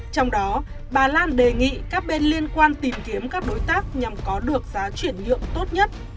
trong đó bà lan đề nghị các bên liên quan tìm kiếm các đối tác nhằm có được giá chuyển nhượng tốt nhất